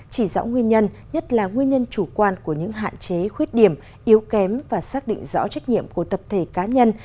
chỉ rõ nguyên nhân nhất là nguyên nhân chủ quan của những hạn chế khuyết điểm yếu kém và xác định rõ trách nhiệm của tập thể cá nhân